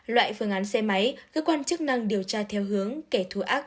loại phương án xe máy cơ quan chức năng điều tra theo hướng kẻ thù ác